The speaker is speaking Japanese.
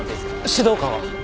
指導官は？